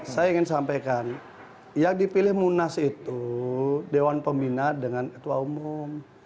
saya ingin sampaikan yang dipilih munas itu dewan pembina dengan ketua umum